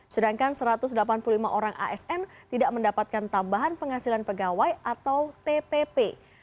sedangkan satu ratus delapan puluh lima orang asn tidak mendapatkan tambahan penghasilan pegawai atau tpp